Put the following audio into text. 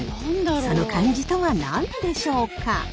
その漢字とは何でしょうか？